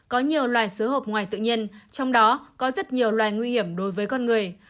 có nhiều loài xứ hộp ngoài tự nhiên trong đó có rất nhiều loài nguy hiểm đối với con người